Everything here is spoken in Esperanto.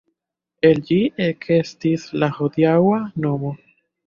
El ĝi ekestis la hodiaŭa nomo.